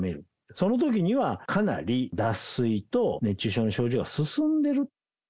そのときにはかなり脱水と熱中症の症状が進んでる。